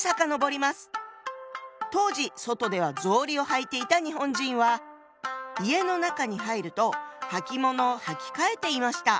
当時外では草履を履いていた日本人は家の中に入るとはきものを履き替えていました。